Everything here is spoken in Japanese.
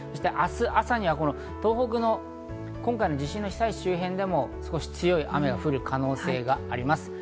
明日、朝には東北の今回の地震の被災地周辺でも少し強い雨が降る可能性があります。